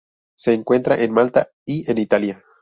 Se encuentra en Malta y en Italia.